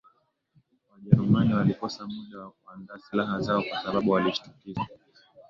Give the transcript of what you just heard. Wajerumani walikosa muda wa kuandaa silaha zao kwa sababu walishtukizwa